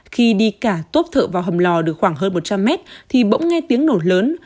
khi đi cả tốp thợ vào hầm lò được khoảng hơn một trăm linh mét thì bỗng nghe tiếng nổ lớn